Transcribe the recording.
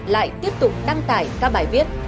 lại tiếp tục đăng tải các bài viết